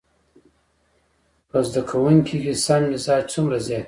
په زده کوونکي کې سم مزاج څومره زيات وي.